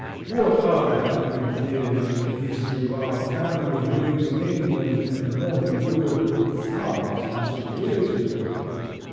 What are a hundred years in the history of our family who lived in England and northern Europe thousands of years ago?